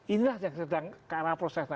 inilah yang sedang kearah proses